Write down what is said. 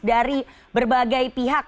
dari berbagai pihak